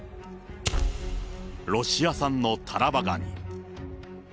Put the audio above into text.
ロシア産のタラバガニ。